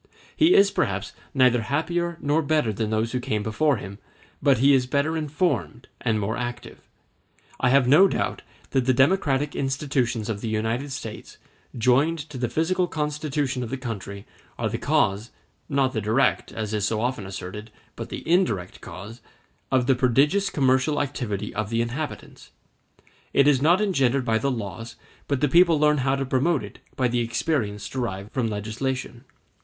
He is perhaps neither happier nor better than those who came before him, but he is better informed and more active. I have no doubt that the democratic institutions of the United States, joined to the physical constitution of the country, are the cause (not the direct, as is so often asserted, but the indirect cause) of the prodigious commercial activity of the inhabitants. It is not engendered by the laws, but the people learns how to promote it by the experience derived from legislation.